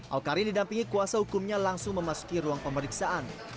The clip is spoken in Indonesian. awkarin didampingi kuasa hukumnya langsung memasuki ruang pemeriksaan